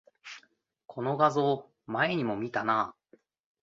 この画像、前にも見たな